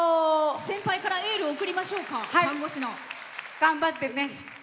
先輩からエールを送りましょうか頑張ってね！